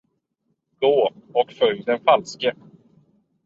Gå, och följ den falske.